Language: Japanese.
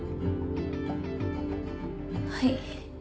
はい。